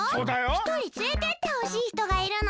ひとりつれてってほしいひとがいるの。